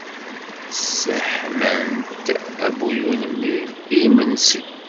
Sseḥmant-d abuyun-nni i yimensi.